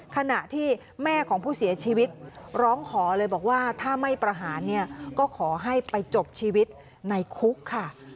ขณะที่แม่ของผู้เสียชีวิตร้องขอเลยบอกว่าถ้าไม่ประหารเนี่ยก็ขอให้ไปจบชีวิตในคุกค่ะ